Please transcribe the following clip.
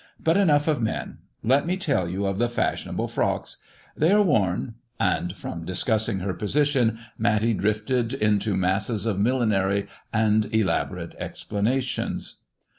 But enough of men. Let me tell you of the fashionable frocks. They are worn *' and from discussing her position Matty drifted into masses of millinery and elaborate explanations.